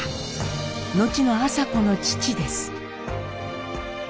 後の麻子の父です。